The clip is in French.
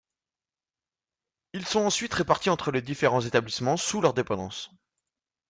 Ils sont ensuite répartis entre les différents établissements sous leur dépendance.